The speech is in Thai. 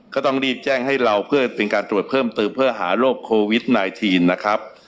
ก็ต้องรีบแจ้งให้เราเพื่อเป็นการตรวจเพิ่มเติมเพื่อหาโรคโควิด๑๙นะครับ